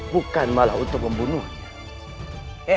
bukan malah untuk membunuhnya